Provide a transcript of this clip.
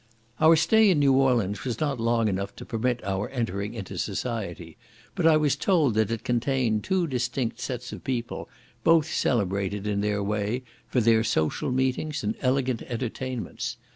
Our stay in New Orleans was not long enough to permit our entering into society, but I was told that it contained two distinct sets of people, both celebrated, in their way, for their social meetings and elegant entertainments.